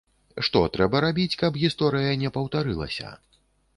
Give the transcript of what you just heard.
Што трэба рабіць, каб гісторыя не паўтарылася?